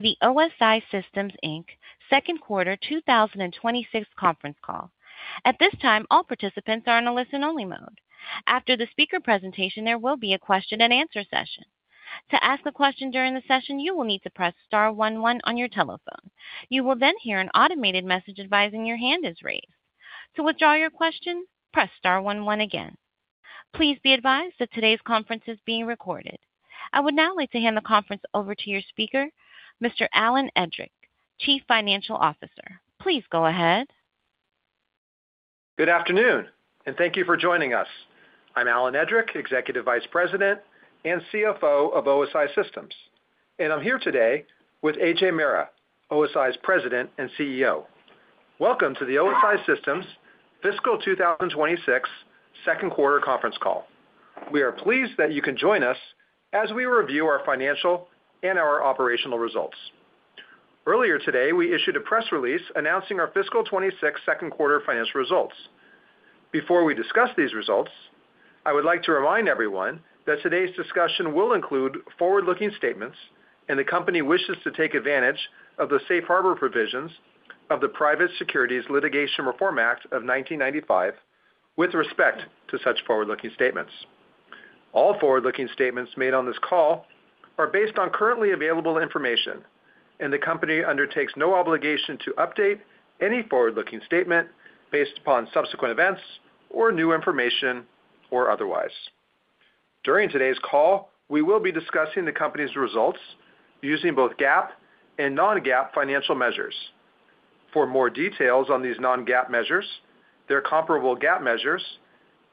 The OSI Systems, Inc. second quarter 2026 conference call. At this time, all participants are in a listen-only mode. After the speaker presentation, there will be a question-and-answer session. To ask a question during the session, you will need to press star one one on your telephone. You will then hear an automated message advising your hand is raised. To withdraw your question, press star one one again. Please be advised that today's conference is being recorded. I would now like to hand the conference over to your speaker, Mr. Alan Edrick, Chief Financial Officer. Please go ahead. Good afternoon, and thank you for joining us. I'm Alan Edrick, Executive Vice President and CFO of OSI Systems, and I'm here today with Ajay Mehra, OSI's President and CEO. Welcome to the OSI Systems Fiscal 2026 second quarter conference call. We are pleased that you can join us as we review our financial and our operational results. Earlier today, we issued a press release announcing our fiscal 2026 second quarter financial results. Before we discuss these results, I would like to remind everyone that today's discussion will include forward-looking statements, and the company wishes to take advantage of the safe harbor provisions of the Private Securities Litigation Reform Act of 1995 with respect to such forward-looking statements. All forward-looking statements made on this call are based on currently available information, and the company undertakes no obligation to update any forward-looking statement based upon subsequent events or new information or otherwise. During today's call, we will be discussing the company's results using both GAAP and non-GAAP financial measures. For more details on these non-GAAP measures, their comparable GAAP measures,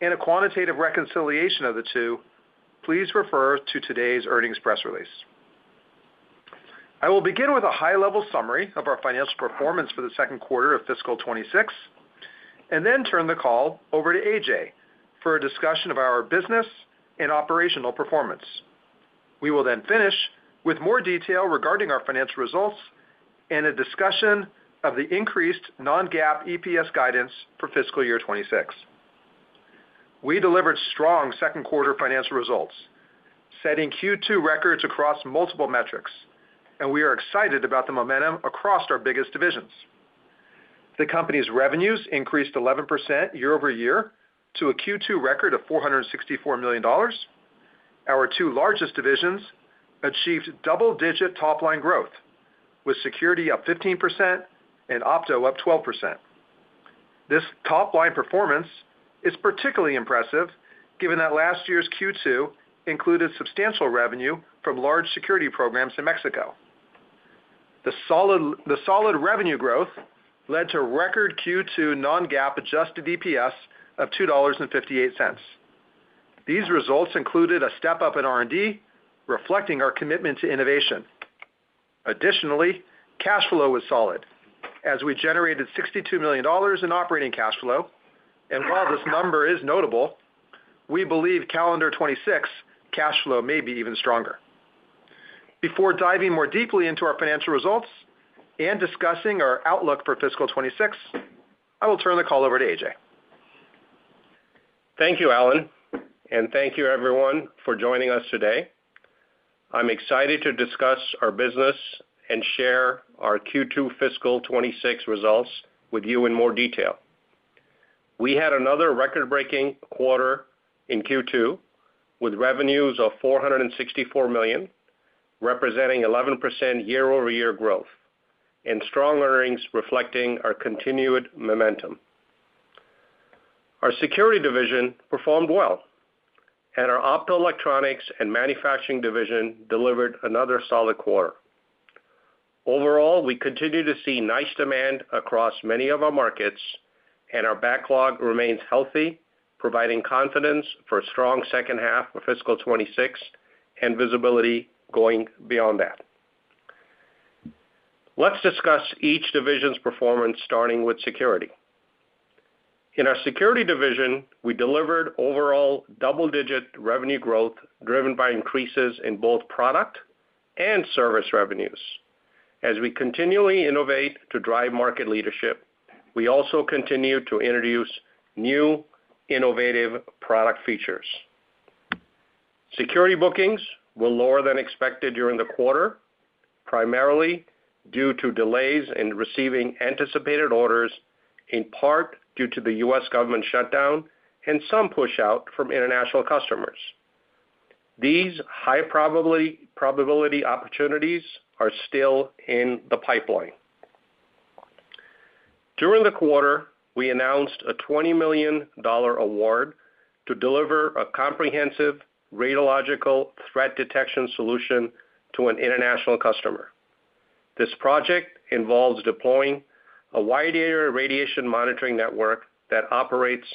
and a quantitative reconciliation of the two, please refer to today's earnings press release. I will begin with a high-level summary of our financial performance for the second quarter of fiscal 2026, and then turn the call over to Ajay for a discussion of our business and operational performance. We will then finish with more detail regarding our financial results and a discussion of the increased non-GAAP EPS guidance for fiscal year 2026. We delivered strong second quarter financial results, setting Q2 records across multiple metrics, and we are excited about the momentum across our biggest divisions. The company's revenues increased 11% year-over-year to a Q2 record of $464 million. Our two largest divisions achieved double-digit top-line growth, with Security up 15% and Opto up 12%. This top-line performance is particularly impressive, given that last year's Q2 included substantial revenue from large Security programs in Mexico. The solid revenue growth led to record Q2 non-GAAP adjusted EPS of $2.58. These results included a step-up in R&D, reflecting our commitment to innovation. Additionally, cash flow was solid, as we generated $62 million in operating cash flow. And while this number is notable, we believe calendar 2026 cash flow may be even stronger. Before diving more deeply into our financial results and discussing our outlook for fiscal 2026, I will turn the call over to Ajay. Thank you, Alan, and thank you everyone for joining us today. I'm excited to discuss our business and share our Q2 fiscal 2026 results with you in more detail. We had another record-breaking quarter in Q2, with revenues of $464 million, representing 11% year-over-year growth and strong earnings reflecting our continued momentum. Our Security Division performed well, and our Optoelectronics and Manufacturing Division delivered another solid quarter. Overall, we continue to see nice demand across many of our markets, and our backlog remains healthy, providing confidence for a strong second half of fiscal 2026 and visibility going beyond that. Let's discuss each division's performance, starting with Security. In our Security division, we delivered overall double-digit revenue growth, driven by increases in both product and service revenues. As we continually innovate to drive market leadership, we also continue to introduce new innovative product features. Security bookings were lower than expected during the quarter, primarily due to delays in receiving anticipated orders, in part due to the U.S. government shutdown and some pushout from international customers. These high probability opportunities are still in the pipeline. During the quarter, we announced a $20 million award to deliver a comprehensive radiological threat detection solution to an international customer. This project involves deploying a wide-area radiation monitoring network that operates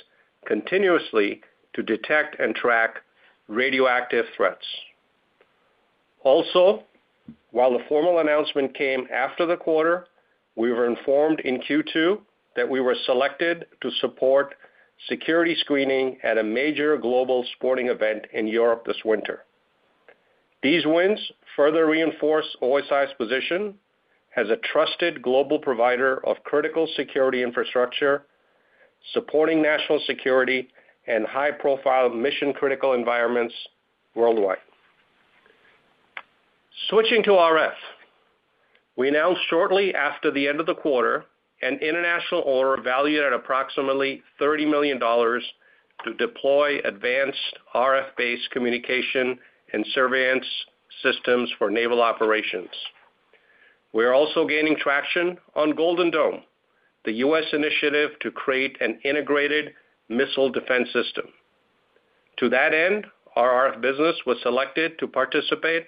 continuously to detect and track radioactive threats. Also, while the formal announcement came after the quarter, we were informed in Q2 that we were selected to support security screening at a major global sporting event in Europe this winter. These wins further reinforce OSI's position as a trusted global provider of critical security infrastructure supporting national security and high-profile mission-critical environments worldwide. Switching to RF, we announced shortly after the end of the quarter, an international order valued at approximately $30 million to deploy advanced RF-based communication and surveillance systems for naval operations. We are also gaining traction on Golden Dome, the U.S. initiative to create an integrated missile defense system. To that end, our RF business was selected to participate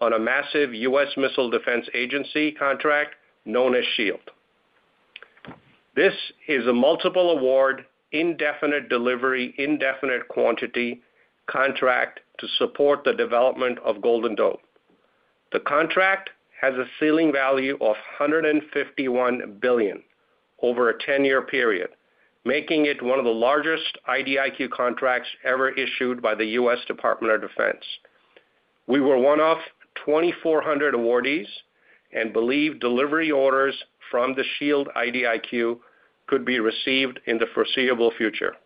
on a massive U.S. Missile Defense Agency contract known as Shield. This is a multiple award, indefinite delivery, indefinite quantity contract to support the development of Golden Dome. The contract has a ceiling value of $151 billion over a 10-year period, making it one of the largest IDIQ contracts ever issued by the U.S. Department of Defense. We were one of 2,400 awardees, and believe delivery orders from the Shield IDIQ could be received in the foreseeable future.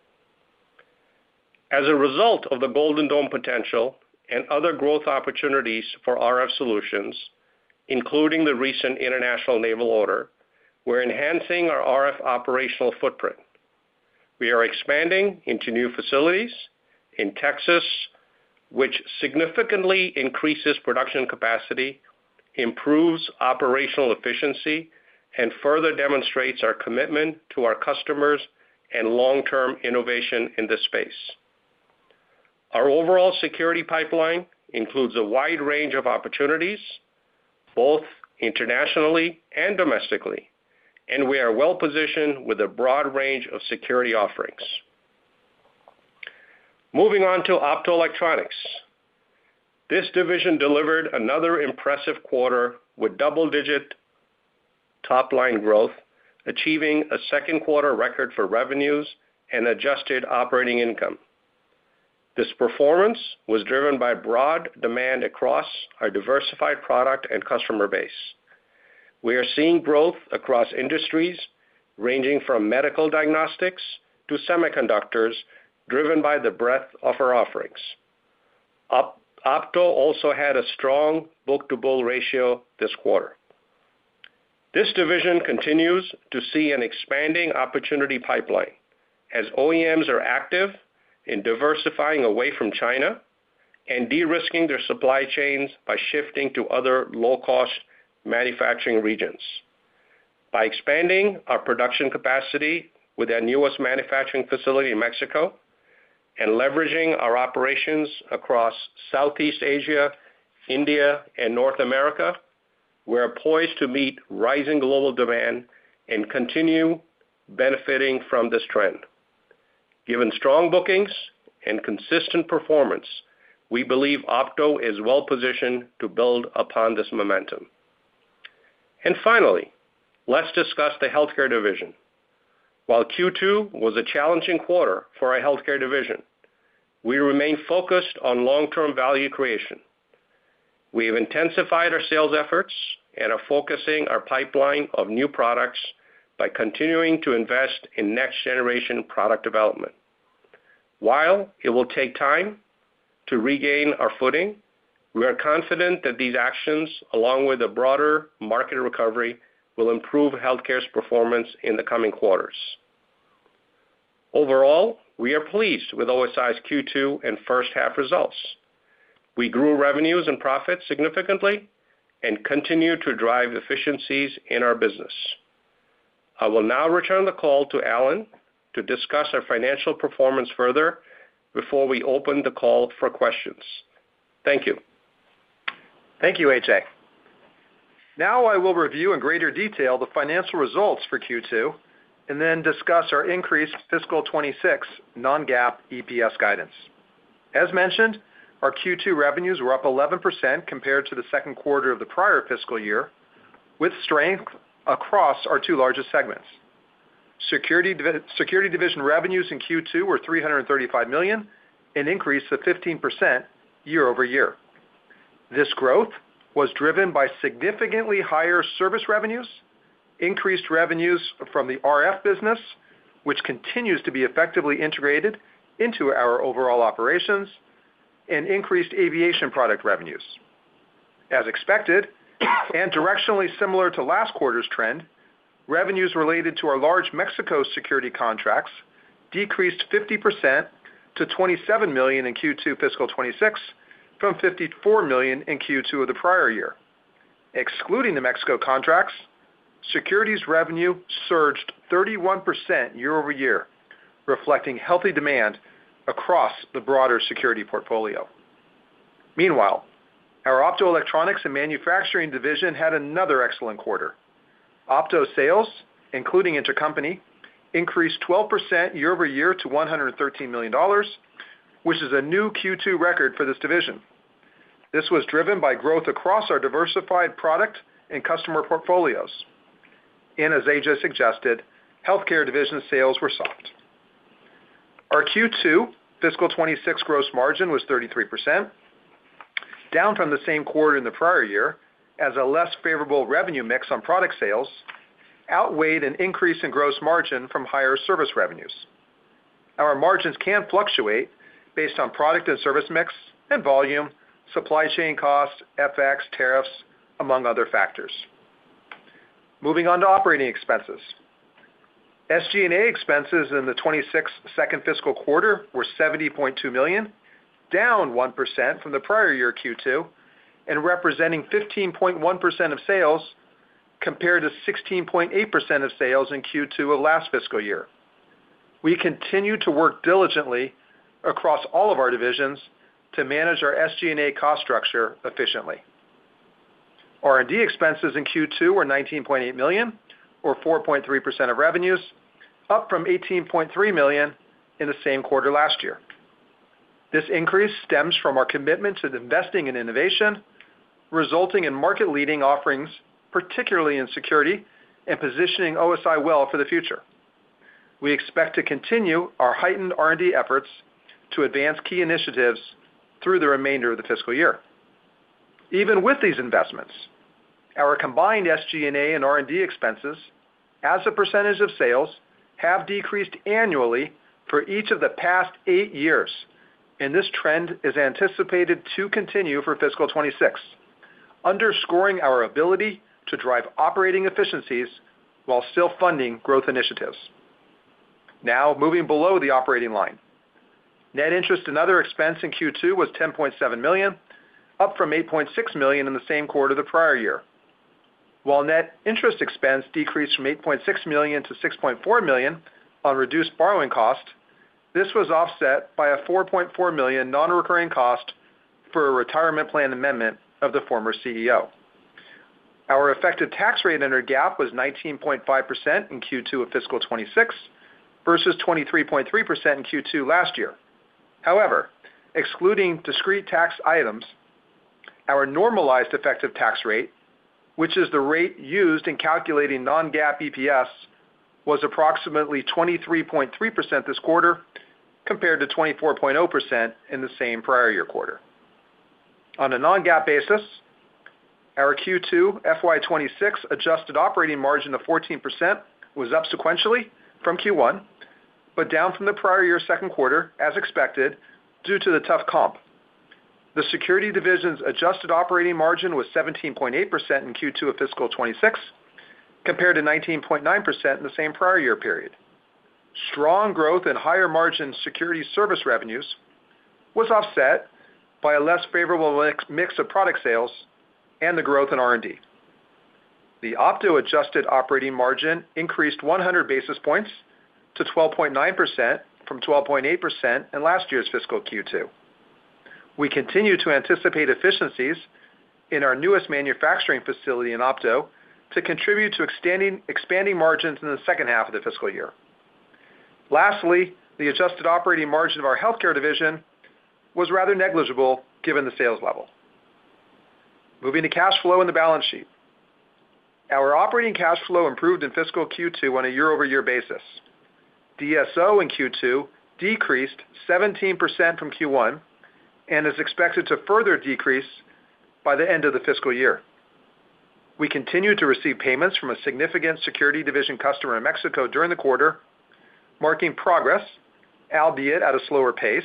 As a result of the Golden Dome potential and other growth opportunities for RF solutions, including the recent international naval order, we're enhancing our RF operational footprint. We are expanding into new facilities in Texas, which significantly increases production capacity, improves operational efficiency, and further demonstrates our commitment to our customers and long-term innovation in this space. Our overall Security pipeline includes a wide range of opportunities, both internationally and domestically, and we are well-positioned with a broad range of Security offerings. Moving on to Optoelectronics. This division delivered another impressive quarter with double-digit top-line growth, achieving a second quarter record for revenues and adjusted operating income. This performance was driven by broad demand across our diversified product and customer base. We are seeing growth across industries, ranging from medical diagnostics to semiconductors, driven by the breadth of our offerings. Opto also had a strong book-to-bill ratio this quarter. This division continues to see an expanding opportunity pipeline, as OEMs are active in diversifying away from China and de-risking their supply chains by shifting to other low-cost manufacturing regions. By expanding our production capacity with our newest manufacturing facility in Mexico, and leveraging our operations across Southeast Asia, India, and North America, we are poised to meet rising global demand and continue benefiting from this trend. Given strong bookings and consistent performance, we believe Opto is well positioned to build upon this momentum. Finally, let's discuss the Healthcare division. While Q2 was a challenging quarter for our Healthcare division, we remain focused on long-term value creation. We have intensified our sales efforts and are focusing our pipeline of new products by continuing to invest in next-generation product development. While it will take time to regain our footing, we are confident that these actions, along with a broader market recovery, will improve Healthcare's performance in the coming quarters. Overall, we are pleased with OSI's Q2 and first half results. We grew revenues and profits significantly and continue to drive efficiencies in our business. I will now return the call to Alan to discuss our financial performance further before we open the call for questions. Thank you. Thank you, AJ. Now I will review in greater detail the financial results for Q2, and then discuss our increased fiscal 2026 non-GAAP EPS guidance. As mentioned, our Q2 revenues were up 11% compared to the second quarter of the prior fiscal year, with strength across our two largest segments. Security division revenues in Q2 were $335 million, an increase of 15% year-over-year. This growth was driven by significantly higher service revenues, increased revenues from the RF business, which continues to be effectively integrated into our overall operations, and increased aviation product revenues. As expected, and directionally similar to last quarter's trend, revenues related to our large Mexico Security contracts decreased 50% to $27 million in Q2 fiscal 2026, from $54 million in Q2 of the prior year. Excluding the Mexico contracts, Security revenue surged 31% year-over-year, reflecting healthy demand across the broader Security portfolio. Meanwhile, our Optoelectronics and Manufacturing division had another excellent quarter. Opto sales, including intercompany, increased 12% year-over-year to $113 million, which is a new Q2 record for this division. This was driven by growth across our diversified product and customer portfolios. And as Ajay suggested, Healthcare division sales were soft. Our Q2 fiscal 2026 gross margin was 33%, down from the same quarter in the prior year, as a less favorable revenue mix on product sales outweighed an increase in gross margin from higher service revenues. Our margins can fluctuate based on product and service mix and volume, supply chain costs, FX, tariffs, among other factors. Moving on to operating expenses. SG&A expenses in the 2026 second fiscal quarter were $70.2 million, down 1% from the prior year Q2, and representing 15.1% of sales, compared to 16.8% of sales in Q2 of last fiscal year. We continue to work diligently across all of our divisions to manage our SG&A cost structure efficiently. R&D expenses in Q2 were $19.8 million, or 4.3% of revenues, up from $18.3 million in the same quarter last year. This increase stems from our commitment to investing in innovation, resulting in market-leading offerings, particularly in Security, and positioning OSI well for the future. We expect to continue our heightened R&D efforts to advance key initiatives through the remainder of the fiscal year. Even with these investments, our combined SG&A and R&D expenses, as a percentage of sales, have decreased annually for each of the past eight years, and this trend is anticipated to continue for fiscal 2026, underscoring our ability to drive operating efficiencies while still funding growth initiatives. Now, moving below the operating line. Net interest and other expense in Q2 was $10.7 million, up from $8.6 million in the same quarter the prior year. While net interest expense decreased from $8.6 million to $6.4 million on reduced borrowing costs, this was offset by a $4.4 million non-recurring cost for a retirement plan amendment of the former CEO. Our effective tax rate under GAAP was 19.5% in Q2 of fiscal 2026, versus 23.3% in Q2 last year. However, excluding discrete tax items, our normalized effective tax rate, which is the rate used in calculating non-GAAP EPS, was approximately 23.3% this quarter, compared to 24.0% in the same prior year quarter. On a non-GAAP basis, our Q2 FY 2026 adjusted operating margin of 14% was up sequentially from Q1, but down from the prior year's second quarter, as expected, due to the tough comp. The Security division's adjusted operating margin was 17.8% in Q2 of fiscal 2026, compared to 19.9% in the same prior year period. Strong growth in higher margin Security service revenues was offset by a less favorable mix of product sales and the growth in R&D. The Opto adjusted operating margin increased 100 basis points to 12.9% from 12.8% in last year's fiscal Q2. We continue to anticipate efficiencies in our newest manufacturing facility in Opto to contribute to expanding margins in the second half of the fiscal year. Lastly, the adjusted operating margin of our Healthcare division was rather negligible given the sales level. Moving to cash flow and the balance sheet. Our operating cash flow improved in fiscal Q2 on a year-over-year basis. DSO in Q2 decreased 17% from Q1 and is expected to further decrease by the end of the fiscal year. We continued to receive payments from a significant Security Division customer in Mexico during the quarter, marking progress, albeit at a slower pace.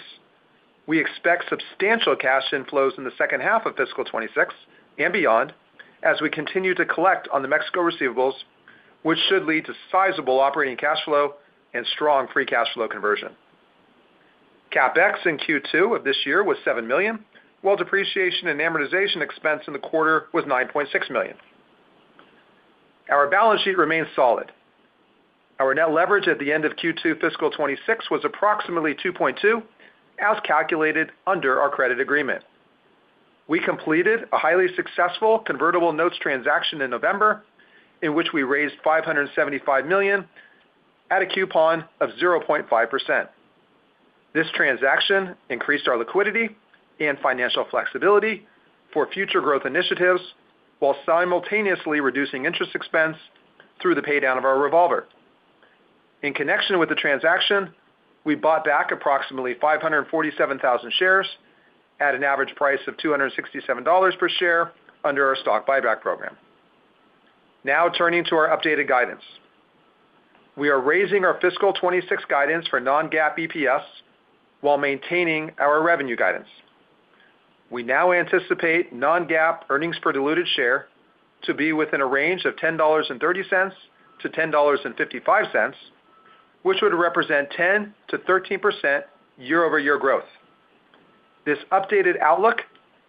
We expect substantial cash inflows in the second half of fiscal 2026 and beyond as we continue to collect on the Mexico receivables, which should lead to sizable operating cash flow and strong free cash flow conversion. CapEx in Q2 of this year was $7 million, while depreciation and amortization expense in the quarter was $9.6 million. Our balance sheet remains solid. Our net leverage at the end of Q2 fiscal 2026 was approximately 2.2, as calculated under our credit agreement. We completed a highly successful convertible notes transaction in November, in which we raised $575 million at a coupon of 0.5%. This transaction increased our liquidity and financial flexibility for future growth initiatives, while simultaneously reducing interest expense through the paydown of our revolver. In connection with the transaction, we bought back approximately 547,000 shares at an average price of $267 per share under our stock buyback program. Now, turning to our updated guidance. We are raising our fiscal 2026 guidance for non-GAAP EPS while maintaining our revenue guidance. We now anticipate non-GAAP earnings per diluted share to be within a range of $10.30-$10.55, which would represent 10%-13% year-over-year growth. This updated outlook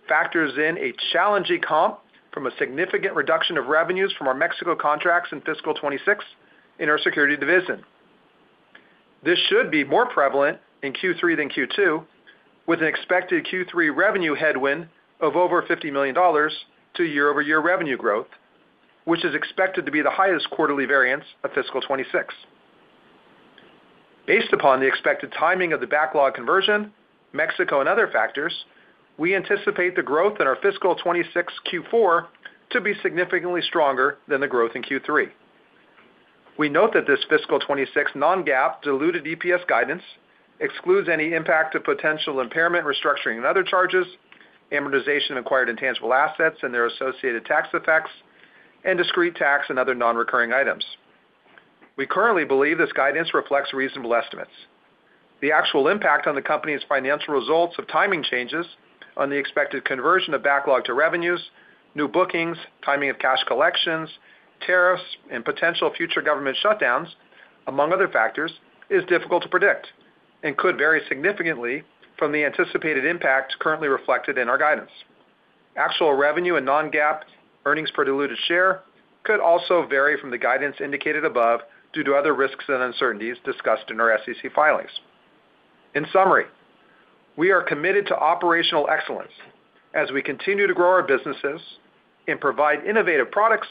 factors in a challenging comp from a significant reduction of revenues from our Mexico contracts in fiscal 2026 in our Security Division. This should be more prevalent in Q3 than Q2, with an expected Q3 revenue headwind of over $50 million to year-over-year revenue growth, which is expected to be the highest quarterly variance of fiscal 2026. Based upon the expected timing of the backlog conversion, Mexico and other factors, we anticipate the growth in our fiscal 2026 Q4 to be significantly stronger than the growth in Q3.... We note that this fiscal 2026 non-GAAP diluted EPS guidance excludes any impact of potential impairment, restructuring, and other charges, amortization of acquired intangible assets and their associated tax effects, and discrete tax and other non-recurring items. We currently believe this guidance reflects reasonable estimates. The actual impact on the company's financial results of timing changes on the expected conversion of backlog to revenues, new bookings, timing of cash collections, tariffs, and potential future government shutdowns, among other factors, is difficult to predict and could vary significantly from the anticipated impact currently reflected in our guidance. Actual revenue and non-GAAP earnings per diluted share could also vary from the guidance indicated above due to other risks and uncertainties discussed in our SEC filings. In summary, we are committed to operational excellence as we continue to grow our businesses and provide innovative products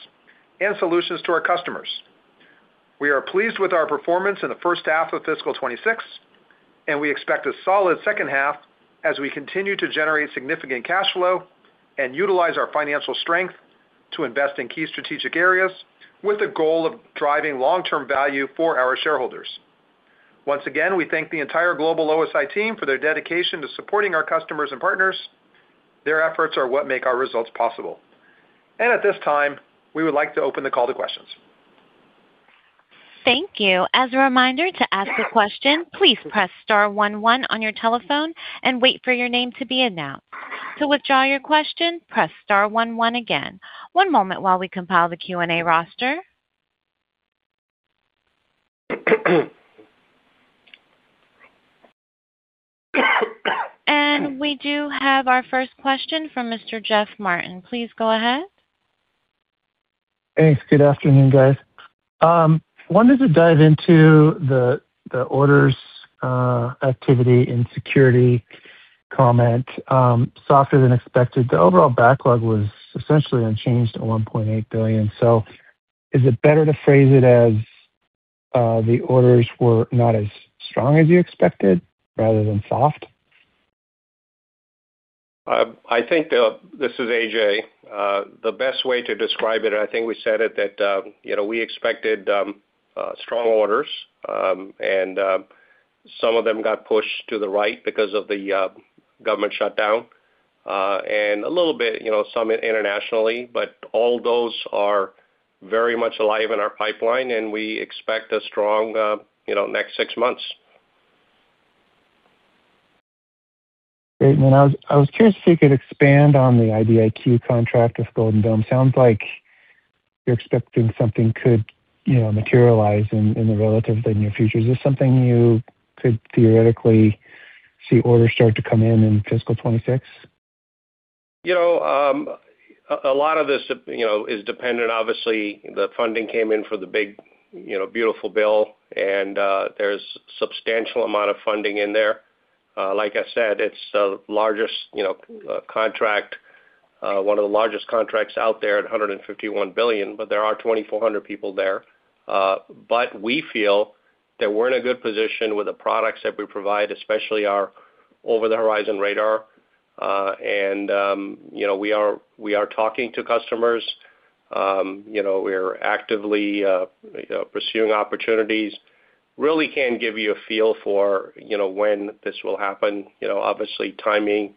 and solutions to our customers. We are pleased with our performance in the first half of fiscal 2026, and we expect a solid second half as we continue to generate significant cash flow and utilize our financial strength to invest in key strategic areas with the goal of driving long-term value for our shareholders. Once again, we thank the entire global OSI team for their dedication to supporting our customers and partners. Their efforts are what make our results possible. At this time, we would like to open the call to questions. Thank you. As a reminder, to ask a question, please press star one one on your telephone and wait for your name to be announced. To withdraw your question, press star one one again. One moment while we compile the Q&A roster. We do have our first question from Mr. Jeff Martin. Please go ahead. Thanks. Good afternoon, guys. Wanted to dive into the orders activity in Security comment, softer than expected. The overall backlog was essentially unchanged at $1.8 billion. So is it better to phrase it as the orders were not as strong as you expected rather than soft? I think this is Ajay. The best way to describe it, I think we said it, that you know, we expected strong orders, and some of them got pushed to the right because of the government shutdown, and a little bit, you know, some internationally. But all those are very much alive in our pipeline, and we expect a strong you know, next six months. Great. I was curious if you could expand on the IDIQ contract with Golden Dome. Sounds like you're expecting something could, you know, materialize in the relatively near future. Is this something you could theoretically see orders start to come in in fiscal 2026? You know, a lot of this, you know, is dependent. Obviously, the funding came in for the big, you know, beautiful bill, and there's substantial amount of funding in there. Like I said, it's the largest, you know, contract, one of the largest contracts out there at $151 billion, but there are 2,400 people there. But we feel that we're in a good position with the products that we provide, especially our over-the-horizon radar. And you know, we are talking to customers. You know, we're actively, you know, pursuing opportunities. Really can't give you a feel for, you know, when this will happen. You know, obviously, timing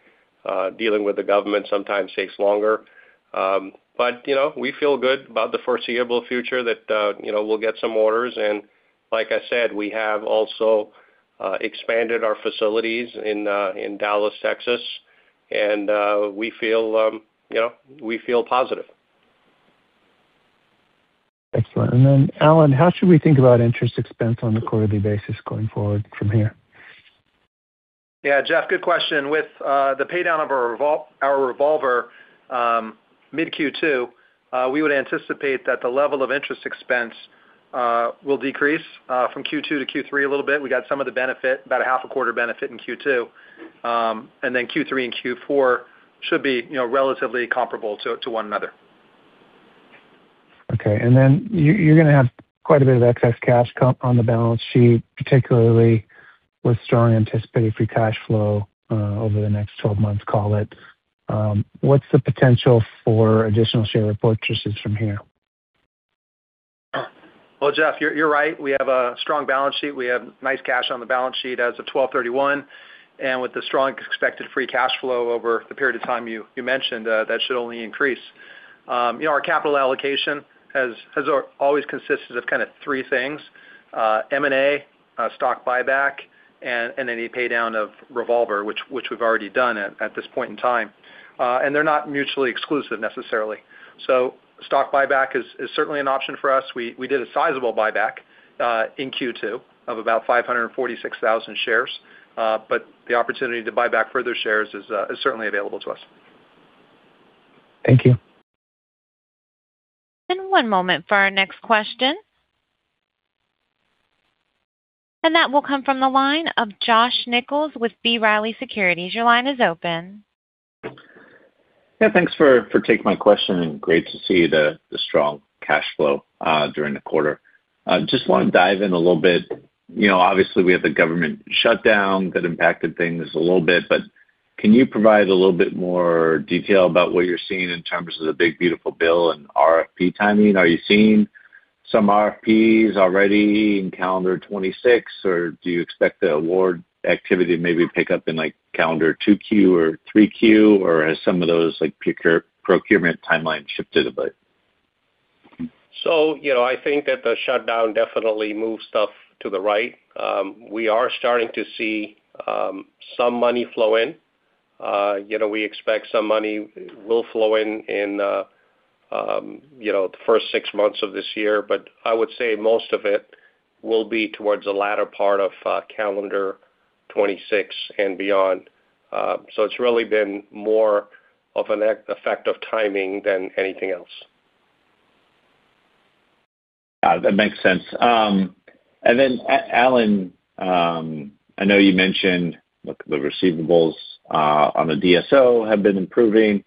dealing with the government sometimes takes longer. But you know, we feel good about the foreseeable future that, you know, we'll get some orders. And like I said, we have also expanded our facilities in Dallas, Texas. And we feel, you know, we feel positive. Excellent. And then, Alan, how should we think about interest expense on a quarterly basis going forward from here? Yeah, Jeff, good question. With the paydown of our revolver mid-Q2, we would anticipate that the level of interest expense will decrease from Q2 to Q3 a little bit. We got some of the benefit, about a half a quarter benefit in Q2. And then Q3 and Q4 should be, you know, relatively comparable to, to one another. Okay. And then you, you're gonna have quite a bit of excess cash come on the balance sheet, particularly with strong anticipated free cash flow over the next 12 months, call it. What's the potential for additional share purchases from here? Well, Jeff, you're right. We have a strong balance sheet. We have nice cash on the balance sheet as of 12/31, and with the strong expected free cash flow over the period of time you mentioned, that should only increase. You know, our capital allocation has always consisted of kind of three things: M&A, stock buyback, and any paydown of revolver, which we've already done at this point in time. And they're not mutually exclusive necessarily. So stock buyback is certainly an option for us. We did a sizable buyback in Q2 of about 546,000 shares, but the opportunity to buy back further shares is certainly available to us. Thank you. One moment for our next question. That will come from the line of Josh Nichols with B. Riley Securities. Your line is open. Yeah, thanks for taking my question, and great to see the strong cash flow during the quarter. Just want to dive in a little bit. You know, obviously, we had the government shutdown that impacted things a little bit. Can you provide a little bit more detail about what you're seeing in terms of the big beautiful bill and RFP timing? Are you seeing some RFPs already in calendar 2026, or do you expect the award activity to maybe pick up in, like, calendar 2Q or 3Q, or has some of those, like, procurement timelines shifted a bit? So, you know, I think that the shutdown definitely moves stuff to the right. We are starting to see some money flow in. You know, we expect some money will flow in, you know, the first six months of this year, but I would say most of it will be towards the latter part of calendar 2026 and beyond. So it's really been more of an effect of timing than anything else. That makes sense. And then Alan, I know you mentioned, like, the receivables on the DSO have been improving.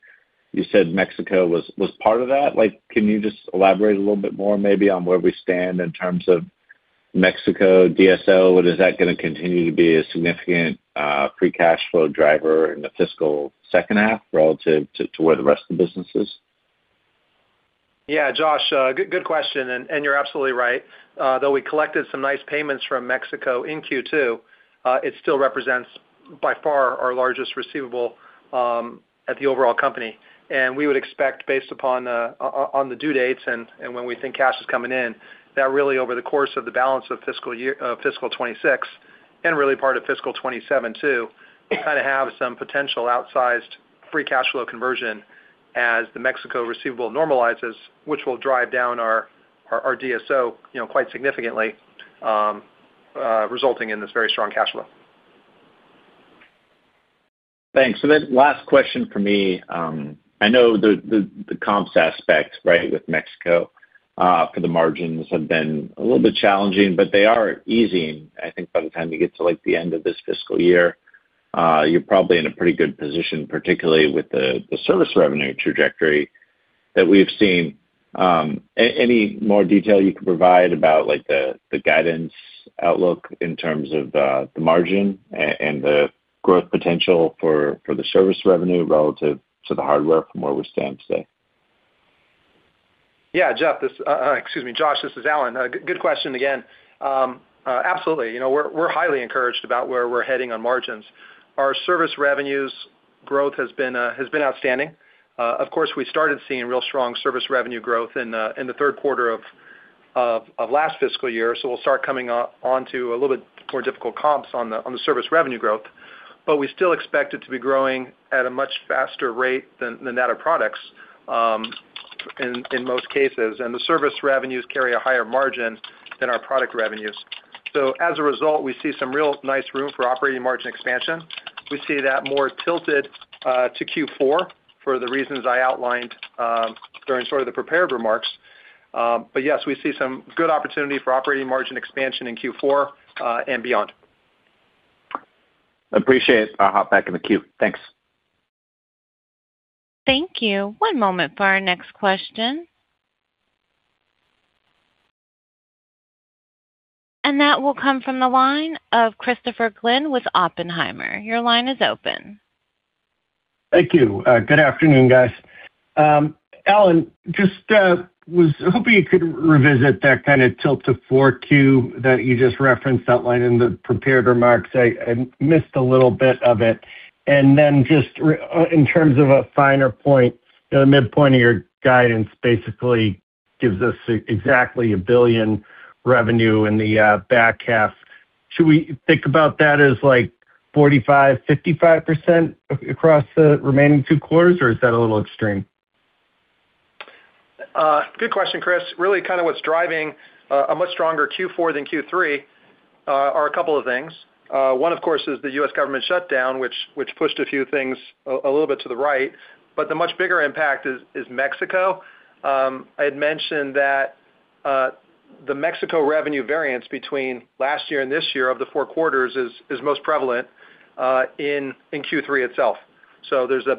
You said Mexico was part of that. Like, can you just elaborate a little bit more maybe on where we stand in terms of Mexico DSO? And is that gonna continue to be a significant free cash flow driver in the fiscal second half relative to where the rest of the business is? Yeah, Josh, good, good question, and, and you're absolutely right. Though we collected some nice payments from Mexico in Q2, it still represents, by far, our largest receivable, at the overall company. And we would expect, based upon, on the due dates and, and when we think cash is coming in, that really over the course of the balance of fiscal 2026, and really part of fiscal 2027 too, kind of have some potential outsized free cash flow conversion as the Mexico receivable normalizes, which will drive down our, our, our DSO, you know, quite significantly, resulting in this very strong cash flow. Thanks. So then last question for me. I know the comps aspect, right, with Mexico, for the margins have been a little bit challenging, but they are easing, I think, by the time you get to, like, the end of this fiscal year. You're probably in a pretty good position, particularly with the service revenue trajectory that we've seen. Any more detail you can provide about, like, the guidance outlook in terms of, the margin and the growth potential for the service revenue relative to the hardware from where we stand today? Yeah, Jeff, excuse me, Josh, this is Alan. Good question again. Absolutely. You know, we're highly encouraged about where we're heading on margins. Our service revenues growth has been outstanding. Of course, we started seeing real strong service revenue growth in the third quarter of last fiscal year, so we'll start coming onto a little bit more difficult comps on the service revenue growth. But we still expect it to be growing at a much faster rate than that of products, in most cases. And the service revenues carry a higher margin than our product revenues. So as a result, we see some real nice room for operating margin expansion. We see that more tilted to Q4 for the reasons I outlined during sort of the prepared remarks. But yes, we see some good opportunity for operating margin expansion in Q4 and beyond. Appreciate it. I'll hop back in the queue. Thanks. Thank you. One moment for our next question. And that will come from the line of Christopher Glynn with Oppenheimer. Your line is open. Thank you. Good afternoon, guys. Alan, just was hoping you could revisit that kind of tilt to 4Q that you just referenced, outlined in the prepared remarks. I missed a little bit of it. And then just in terms of a finer point, the midpoint of your guidance basically gives us exactly $1 billion revenue in the back half. Should we think about that as, like, 45%-55% across the remaining two quarters, or is that a little extreme? Good question, Chris. Really kind of what's driving a much stronger Q4 than Q3 are a couple of things. One, of course, is the U.S. government shutdown, which pushed a few things a little bit to the right, but the much bigger impact is Mexico. I had mentioned that the Mexico revenue variance between last year and this year of the four quarters is most prevalent in Q3 itself. So there's a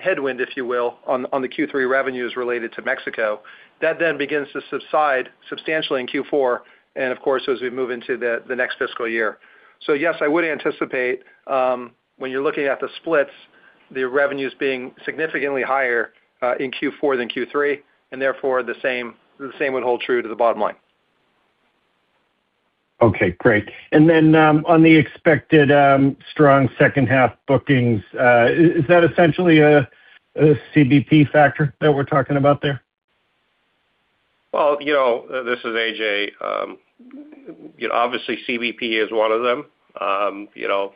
big headwind, if you will, on the Q3 revenues related to Mexico. That then begins to subside substantially in Q4 and, of course, as we move into the next fiscal year. So yes, I would anticipate, when you're looking at the splits, the revenues being significantly higher, in Q4 than Q3, and therefore, the same, the same would hold true to the bottom line. Okay, great. And then, on the expected strong second half bookings, is that essentially a CBP factor that we're talking about there? Well, you know, this is Ajay. You know, obviously, CBP is one of them. You know,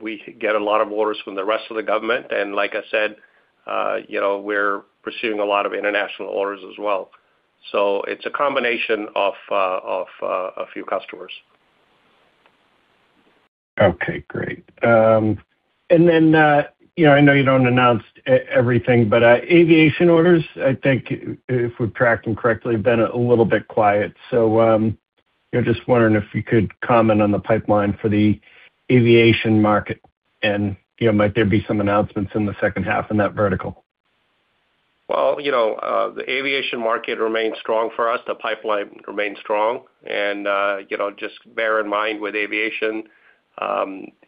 we get a lot of orders from the rest of the government, and like I said, you know, we're pursuing a lot of international orders as well. So it's a combination of a few customers. Okay, great. And then, you know, I know you don't announce everything, but, aviation orders, I think if we're tracking correctly, have been a little bit quiet. So, you know, just wondering if you could comment on the pipeline for the aviation market, and, you know, might there be some announcements in the second half in that vertical?... Well, you know, the aviation market remains strong for us. The pipeline remains strong, and, you know, just bear in mind, with aviation,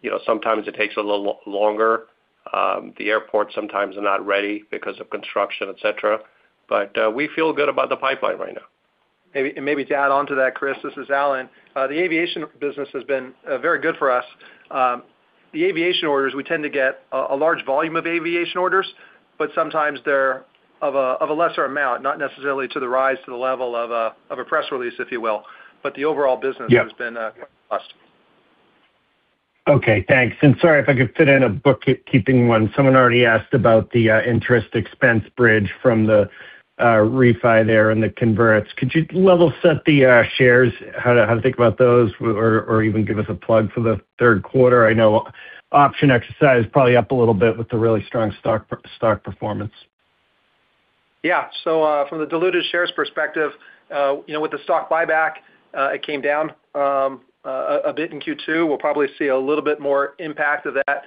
you know, sometimes it takes a little longer. The airports sometimes are not ready because of construction, et cetera, but, we feel good about the pipeline right now. Maybe, and maybe to add on to that, Chris, this is Alan. The aviation business has been very good for us. The aviation orders, we tend to get a large volume of aviation orders, but sometimes they're of a lesser amount, not necessarily rising to the level of a press release, if you will. But the overall business- Yeah. has been plus. Okay, thanks. And sorry, if I could fit in a bookkeeping one. Someone already asked about the interest expense bridge from the refi there and the converts. Could you level set the shares, how to think about those, or even give us a plug for the third quarter? I know option exercise is probably up a little bit with the really strong stock performance. Yeah. So, from the diluted shares perspective, you know, with the stock buyback, it came down, a bit in Q2. We'll probably see a little bit more impact of that,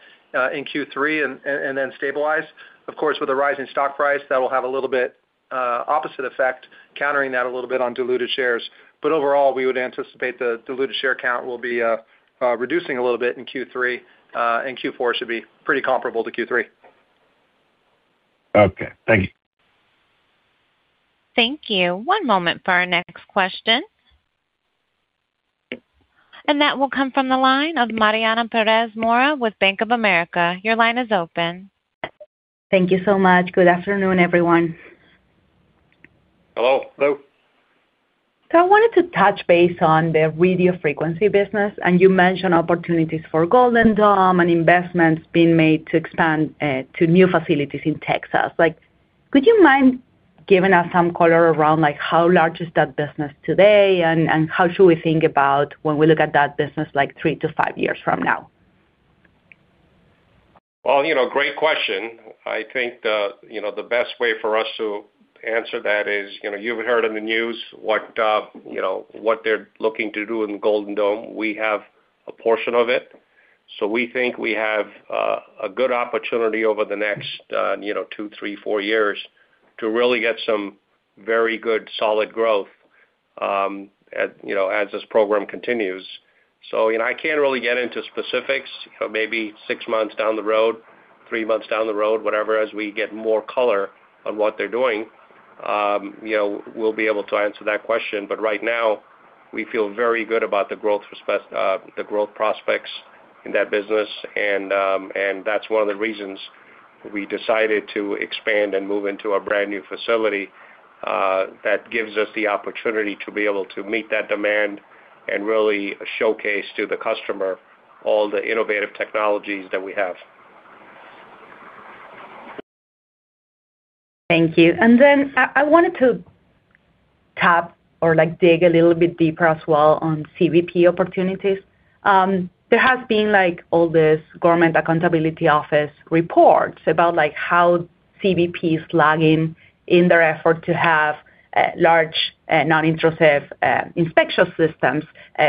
in Q3 and then stabilize. Of course, with a rise in stock price, that will have a little bit, opposite effect, countering that a little bit on diluted shares. But overall, we would anticipate the diluted share count will be, reducing a little bit in Q3, and Q4 should be pretty comparable to Q3. Okay, thank you. Thank you. One moment for our next question. That will come from the line of Mariana Perez Mora with Bank of America. Your line is open. Thank you so much. Good afternoon, everyone. Hello. Hello. So I wanted to touch base on the radio frequency business, and you mentioned opportunities for Golden Dome and investments being made to expand to new facilities in Texas. Like, could you mind giving us some color around, like, how large is that business today, and how should we think about when we look at that business, like, three to five years from now? Well, you know, great question. I think the, you know, the best way for us to answer that is, you know, you've heard in the news what, you know, what they're looking to do in Golden Dome. We have a portion of it, so we think we have a good opportunity over the next, you know, 2, 3, 4 years to really get some very good, solid growth, at, you know, as this program continues. So, you know, I can't really get into specifics. Maybe 6 months down the road, 3 months down the road, whatever, as we get more color on what they're doing, you know, we'll be able to answer that question. But right now, we feel very good about the growth prospects in that business, and, and that's one of the reasons we decided to expand and move into a brand-new facility, that gives us the opportunity to be able to meet that demand and really showcase to the customer all the innovative technologies that we have. Thank you. And then I wanted to tap or, like, dig a little bit deeper as well on CBP opportunities. There has been, like, all this Government Accountability Office reports about, like, how CBP is lagging in their effort to have large non-intrusive inspection systems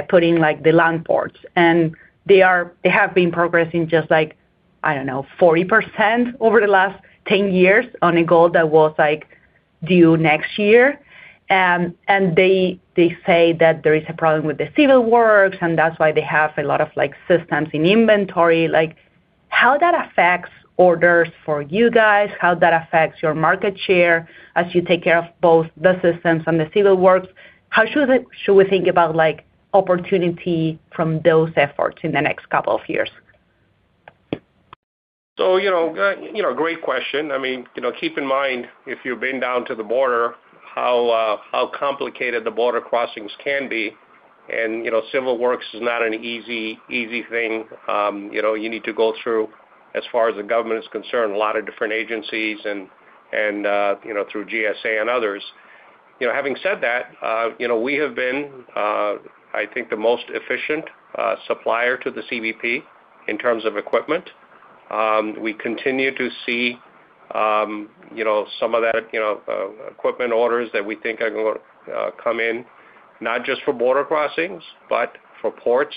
putting, like, the land ports. And they are--they have been progressing just like, I don't know, 40% over the last 10 years on a goal that was, like, due next year. And they say that there is a problem with the civil works, and that's why they have a lot of, like, systems in inventory. Like, how that affects orders for you guys, how that affects your market share as you take care of both the systems and the civil works, how should it-should we think about, like, opportunity from those efforts in the next couple of years? So, you know, you know, great question. I mean, you know, keep in mind, if you've been down to the border, how, how complicated the border crossings can be, and, you know, civil works is not an easy, easy thing. You know, you need to go through, as far as the government is concerned, a lot of different agencies and, and, you know, through GSA and others. You know, having said that, you know, we have been, I think, the most efficient, supplier to the CBP in terms of equipment. We continue to see, you know, some of that, you know, equipment orders that we think are gonna, come in, not just for border crossings, but for ports,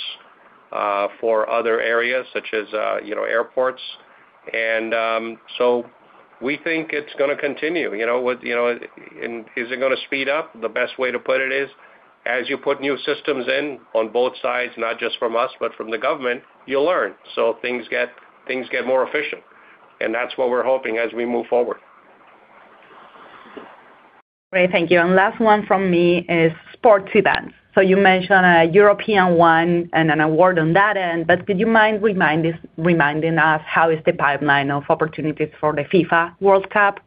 for other areas such as, you know, airports. So we think it's gonna continue, you know, with, you know. And is it gonna speed up? The best way to put it is, as you put new systems in on both sides, not just from us, but from the government, you learn, so things get more efficient, and that's what we're hoping as we move forward. Great, thank you. And last one from me is sports events. So you mentioned a European one and an award on that end, but could you mind reminding us how is the pipeline of opportunities for the FIFA World Cup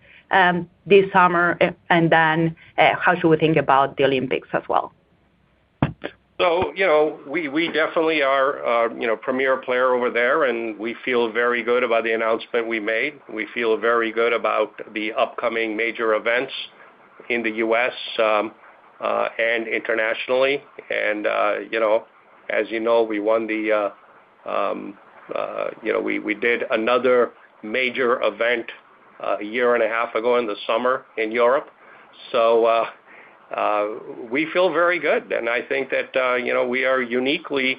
this summer, and then how should we think about the Olympics as well? So, you know, we, we definitely are, you know, premier player over there, and we feel very good about the announcement we made. We feel very good about the upcoming major events in the U.S., and internationally. And, you know, as you know, we won the, you know, we, we did another major event, a year and a half ago in the summer in Europe.... So, we feel very good, and I think that, you know, we are uniquely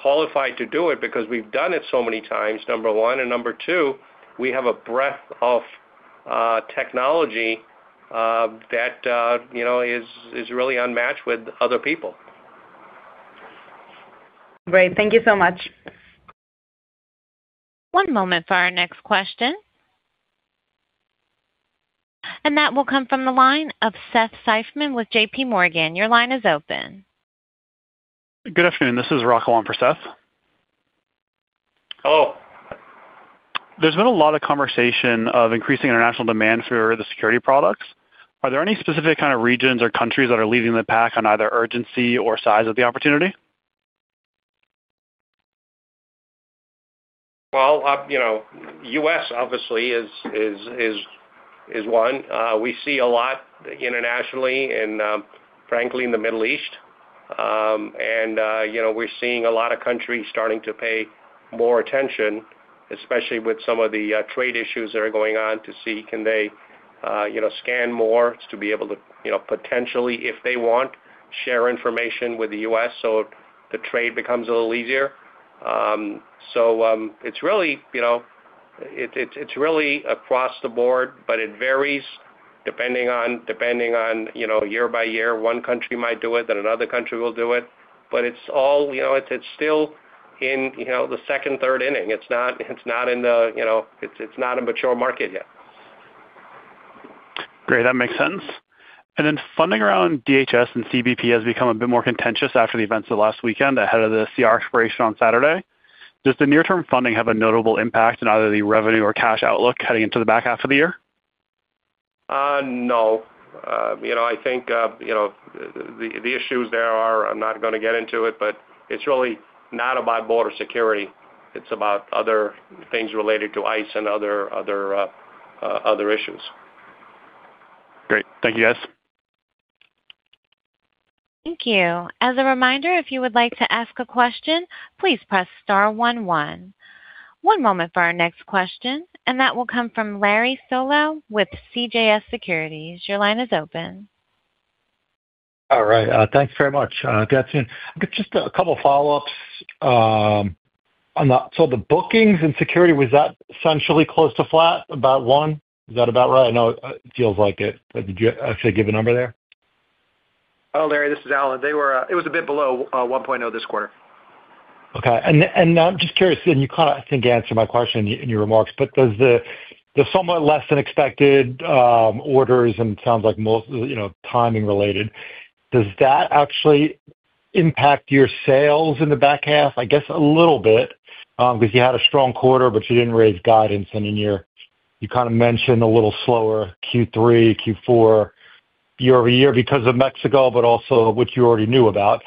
qualified to do it because we've done it so many times, number one, and number two, we have a breadth of, technology, that, you know, is, is really unmatched with other people. Great. Thank you so much. One moment for our next question. That will come from the line of Seth Seifman with J.P. Morgan. Your line is open. Good afternoon. This is Rocco on for Seth. Hello. There's been a lot of conversation of increasing international demand for the Security products. Are there any specific kind of regions or countries that are leading the pack on either urgency or size of the opportunity? Well, you know, U.S., obviously, is one. We see a lot internationally and, frankly, in the Middle East. And you know, we're seeing a lot of countries starting to pay more attention, especially with some of the trade issues that are going on, to see, can they, you know, scan more to be able to, you know, potentially, if they want, share information with the U.S. so the trade becomes a little easier. So, it's really, you know, it's really across the board, but it varies depending on, you know, year by year. One country might do it, then another country will do it, but it's all, you know, it's still in, you know, the second, third inning. It's not, you know, it's not a mature market yet. Great, that makes sense. And then, funding around DHS and CBP has become a bit more contentious after the events of last weekend, ahead of the CR expiration on Saturday. Does the near-term funding have a notable impact on either the revenue or cash outlook heading into the back half of the year? No. You know, I think, you know, the issues there are, I'm not gonna get into it, but it's really not about border security. It's about other things related to ICE and other issues. Great. Thank you, guys. Thank you. As a reminder, if you would like to ask a question, please press star one one. One moment for our next question, and that will come from Larry Solow with CJS Securities. Your line is open. All right. Thanks very much, Catherine. Just a couple follow-ups. On so the bookings and Security, was that essentially close to flat, about one? Is that about right? I know it feels like it, but did you actually give a number there? Oh, Larry, this is Alan. They were, it was a bit below 1.0 this quarter. Okay. And, and I'm just curious, and you kind of, I think, answered my question in your remarks, but does the, the somewhat less than expected, orders, and it sounds like most, you know, timing related, does that actually impact your sales in the back half? I guess a little bit, because you had a strong quarter, but you didn't raise guidance, and then you're, you kind of mentioned a little slower Q3, Q4, year-over-year because of Mexico, but also which you already knew about,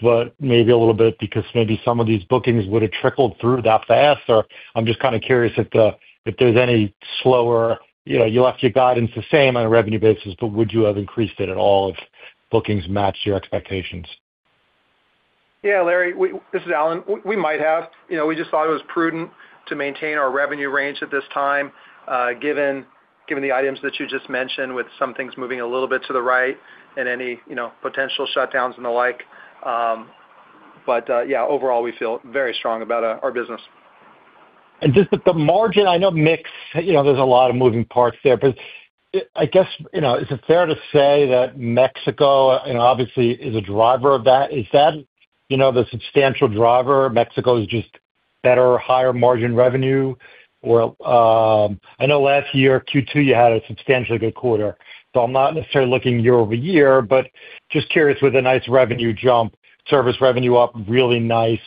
but maybe a little bit because maybe some of these bookings would have trickled through that fast. Or I'm just kind of curious if the, if there's any slower, you know, you left your guidance the same on a revenue basis, but would you have increased it at all if bookings matched your expectations? Yeah, Larry, this is Alan. We might have. You know, we just thought it was prudent to maintain our revenue range at this time, given, given the items that you just mentioned, with some things moving a little bit to the right and any, you know, potential shutdowns and the like. But, yeah, overall, we feel very strong about our business. And just with the margin, I know mix, you know, there's a lot of moving parts there, but I guess, you know, is it fair to say that Mexico, and obviously, is a driver of that, is that, you know, the substantial driver, Mexico is just better, higher margin revenue? Or, I know last year, Q2, you had a substantially good quarter, so I'm not necessarily looking year-over-year, but just curious, with a nice revenue jump, service revenue up really nice,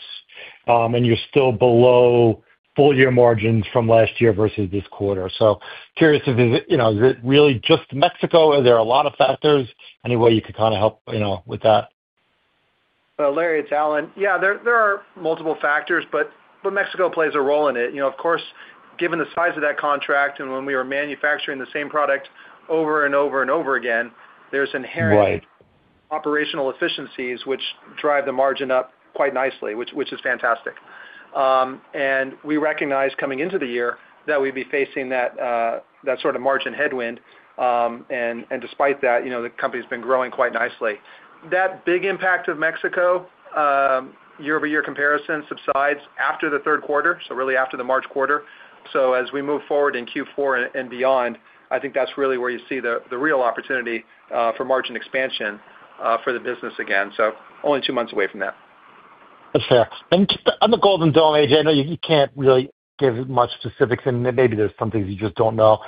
and you're still below full year margins from last year versus this quarter. So curious if, you know, is it really just Mexico, or there are a lot of factors? Any way you could kind of help, you know, with that? Larry, it's Alan. Yeah, there are multiple factors, but Mexico plays a role in it. You know, of course, given the size of that contract and when we were manufacturing the same product over and over and over again, there's inherent- Right. operational efficiencies which drive the margin up quite nicely, which is fantastic. And we recognize coming into the year that we'd be facing that sort of margin headwind, and despite that, you know, the company's been growing quite nicely. That big impact of Mexico year-over-year comparison subsides after the third quarter, so really after the March quarter. So as we move forward in Q4 and beyond, I think that's really where you see the real opportunity for margin expansion for the business again. So only two months away from that. That's fair. Just on the Golden Dome, Ajay, I know you can't really give much specifics, and maybe there's some things you just don't know,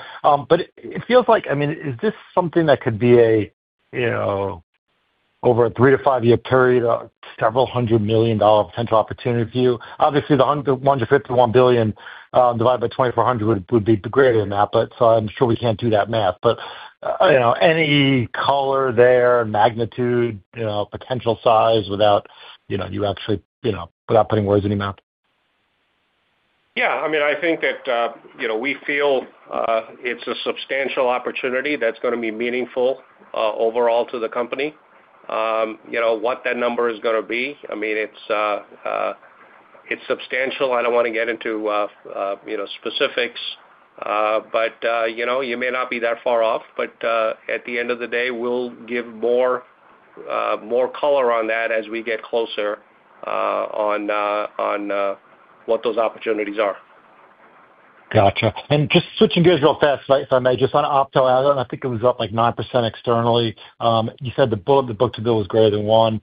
but it feels like, I mean, is this something that could be a, you know, over a 3-5-year period, several hundred million dollar potential opportunity for you? Obviously, the $151 billion, divided by 2,400 would, would be greater than that, but so I'm sure we can't do that math. But, you know, any color there, magnitude, you know, potential size without, you know, you actually, you know, without putting words in your mouth? Yeah, I mean, I think that, you know, we feel it's a substantial opportunity that's gonna be meaningful overall to the company. You know, what that number is gonna be, I mean, it's substantial. I don't wanna get into, you know, specifics, but, you know, you may not be that far off. But at the end of the day, we'll give more color on that as we get closer on what those opportunities are. Gotcha. And just switching gears real fast, if I may, just on Opto, and I think it was up, like, 9% externally. You said the book-to-bill was greater than one.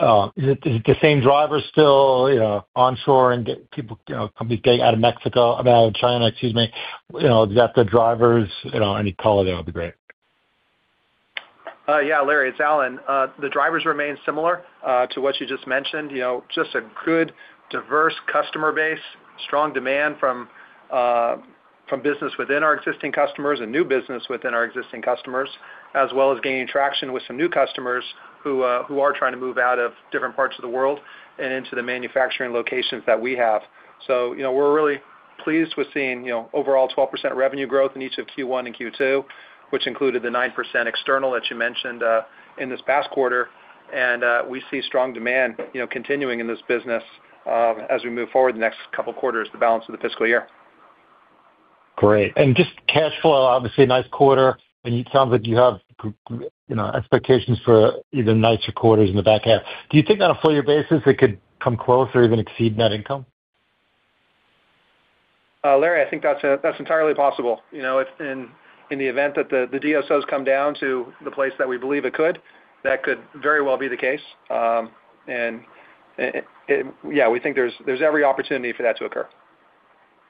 Is it the same drivers still, you know, onshore and get people, you know, companies getting out of Mexico, out of China, excuse me? You know, is that the drivers? You know, any color there would be great. Yeah, Larry, it's Alan. The drivers remain similar to what you just mentioned. You know, just a good, diverse customer base, strong demand from business within our existing customers and new business within our existing customers, as well as gaining traction with some new customers who are trying to move out of different parts of the world and into the manufacturing locations that we have. So, you know, we're really pleased with seeing, you know, overall 12% revenue growth in each of Q1 and Q2, which included the 9% external that you mentioned in this past quarter. We see strong demand, you know, continuing in this business, as we move forward the next couple quarters, the balance of the fiscal year. Great. Just cash flow, obviously, a nice quarter, and it sounds like you have, you know, expectations for even nicer quarters in the back half. Do you think on a full year basis, it could come close or even exceed net income? Larry, I think that's, that's entirely possible. You know, if in the event that the DSOs come down to the place that we believe it could, that could very well be the case. And yeah, we think there's every opportunity for that to occur.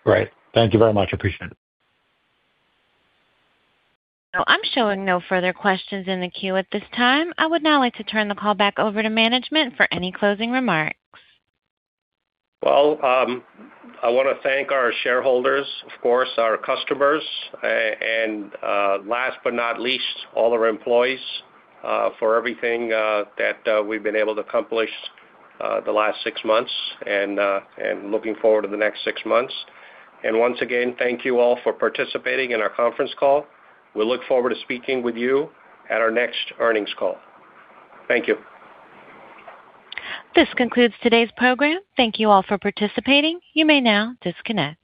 Great. Thank you very much. Appreciate it. Now I'm showing no further questions in the queue at this time. I would now like to turn the call back over to management for any closing remarks. Well, I wanna thank our shareholders, of course, our customers, and, last but not least, all our employees, for everything, that we've been able to accomplish, the last six months, and, and looking forward to the next six months. And once again, thank you all for participating in our conference call. We look forward to speaking with you at our next earnings call. Thank you. This concludes today's program. Thank you all for participating. You may now disconnect.